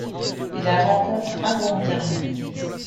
Il la rencontre involontairement.